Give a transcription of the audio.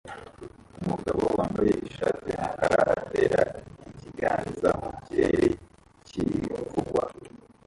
Umugabo wambaye ishati yumukara atera ikiganza mukirere kivugwa